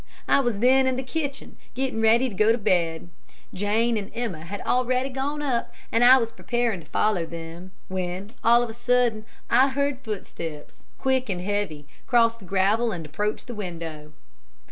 I was then in the kitchen getting ready to go to bed. Jane and Emma had already gone up, and I was preparing to follow them, when, all of a sudden, I heard footsteps, quick and heavy, cross the gravel and approach the window.